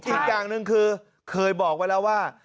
อีกอย่างหนึ่งคือเคยบอกไว้แล้วว่า